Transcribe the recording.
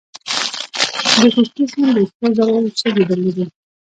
د کوکچې سیند د سرو زرو شګې درلودې